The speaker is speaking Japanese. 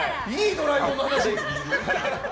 「ドラえもん」の話。